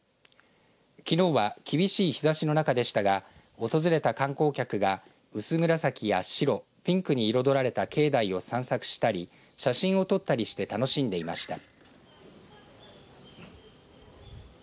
きのうは厳しい日ざしの中でしたが訪れた観光客が薄紫や白ピンクに彩られた境内を散策したり写真を撮ったりして楽しんでいました。